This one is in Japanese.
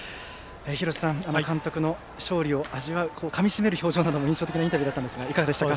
廣瀬さん、監督の勝利を味わうかみしめる表情なども印象的なインタビューでしたがいかがでしたか。